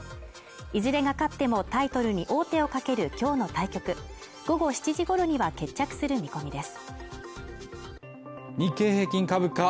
いずれが勝ってもタイトルに王手をかける今日の対局午後７時ごろには決着する見込みです。